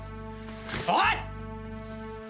おい！